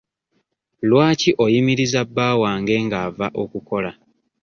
Lwaki oyimiriza bba wange nga ava okukola?